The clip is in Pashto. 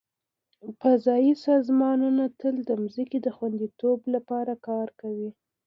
فضایي سازمانونه تل د ځمکې د خوندیتوب لپاره کار کوي.